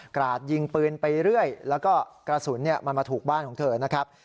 ราดยิงปืนไปเรื่อยแล้วก็กระสุนมันมาถูกบ้านของเธอนะครับ